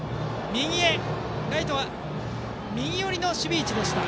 ライト、右寄りの守備位置でした。